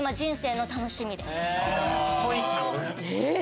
えっ！